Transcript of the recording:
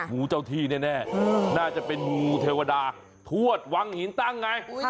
งูเจ้าที่แน่น่าจะเป็นงูเทวดาทวดวังหินตั้งไง